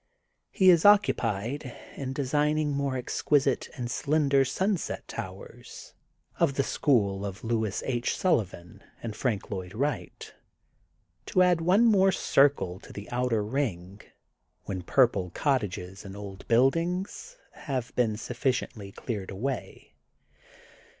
He is occupied in designing more exquisite and slender sunset towers, of the school of Louis H. Sullivan and Frank Lloyd Wright, to add one more circle to the outer ring, when purple cottages and old buildings have been sufficiently cleared away.